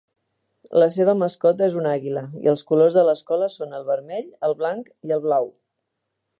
La seva mascota és un àguila, i els colors de l'escola són el vermell, el blanc i el blau.